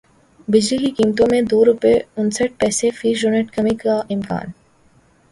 بجلی کی قیمتوں میں دو روپے انسٹھ پیسے فی یونٹ کمی کا امکان